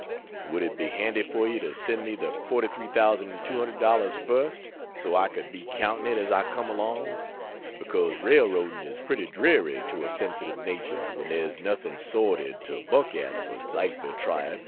Would it be handy for you to send me the $43,200 first, so I could be counting it as I come along; because railroading is pretty dreary to a sensitive nature when there's nothing sordid to buck at for Zeitvertreib.